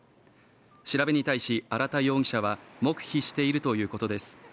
調べに対し荒田容疑者は黙秘しているということです